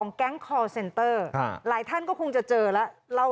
แก๊งคอร์เซนเตอร์หลายท่านก็คงจะเจอแล้ว